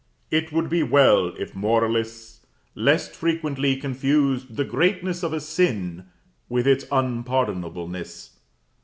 It would be well if moralists less frequently confused the greatness of a sin with its unpardonableness.